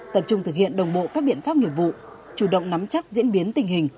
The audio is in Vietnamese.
tập trung thực hiện đồng bộ các biện pháp nghiệp vụ chủ động nắm chắc diễn biến tình hình